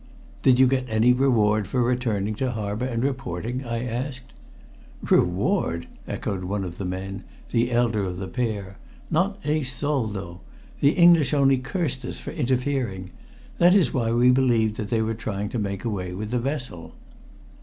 "Did you get any reward for returning to harbor and reporting?" I asked. "Reward!" echoed one of the men, the elder of the pair. "Not a soldo! The English only cursed us for interfering. That is why we believed that they were trying to make away with the vessel."